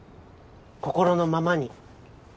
心のままに。